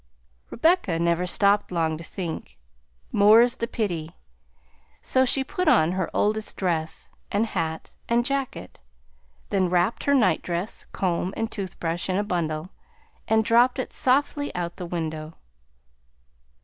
Rebecca never stopped long to think, more 's the pity, so she put on her oldest dress and hat and jacket, then wrapped her nightdress, comb, and toothbrush in a bundle and dropped it softly out of the window.